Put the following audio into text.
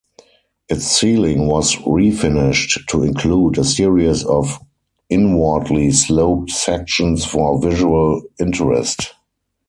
Its ceiling was refinished to include a series of inwardly-sloped sections for visual interest.